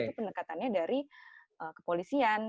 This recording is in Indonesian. itu pendekatannya dari kepolisian